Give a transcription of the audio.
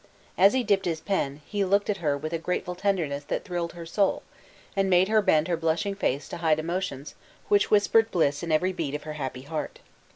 As he dipped his pen, he looked at her with a grateful tenderness that thrilled her soul, and made her bend her blushing face to hide emotions which whispered bliss in every beat of her happy heart.